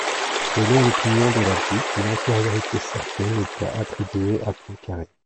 Selon l'opinion de Hladik une antériorité certaine est à attribuer à Poincaré.